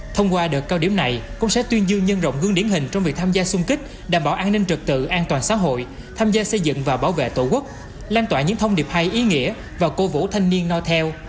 thông qua đợt cao điểm này công sẽ tuyên dương nhân rộng gương điển hình trong việc tham gia xung kích đảm bảo an ninh trực tự an toàn xã hội tham gia xây dựng và bảo vệ tổ quốc lan tỏa những thông điệp hay ý nghĩa và cố vũ thanh niên no theo